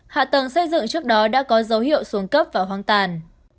hạ tầng xây dựng trước đó đã có dấu hiệu xuống cấp và hoang tàn